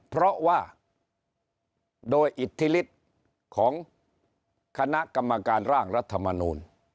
เพราะว่าโดยอิทธิฤทธิ์ของคณะกรรมการร่างรัฐมนูล